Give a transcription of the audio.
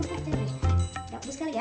gak kebus kali ya